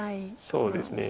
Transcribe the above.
そうですね。